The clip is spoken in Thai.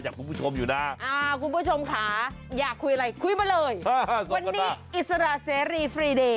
วันนี้อิสระเซรีฟรีเดย์